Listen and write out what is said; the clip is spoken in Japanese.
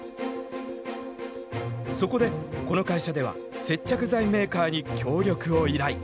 そこでこの会社では接着剤メーカーに協力を依頼。